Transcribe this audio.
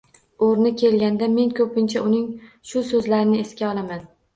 O‘rni kelganda men ko‘pincha uning shu so‘zlarini esga olaman